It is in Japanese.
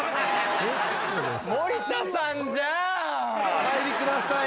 お入りください。